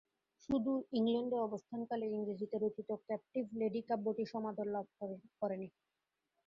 সুদূর ইংল্যান্ডে অবস্থানকালে ইংরেজিতে রচিত ক্যাপটিভ লেডি কাব্যটি সমাদর লাভ করেনি।